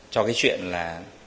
cho cái chuyện là